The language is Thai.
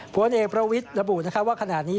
ผลเอกประวิทย์ระบุว่าขณะนี้